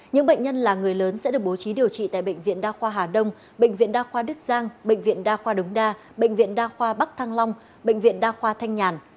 những bệnh nhân là người lớn sẽ được bố trí điều trị tại bệnh viện đa khoa hà đông bệnh viện đa khoa đức giang bệnh viện đa khoa đống đa bệnh viện đa khoa bắc thăng long bệnh viện đa khoa thanh nhàn